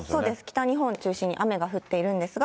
北日本中心に雨が降っているんですが。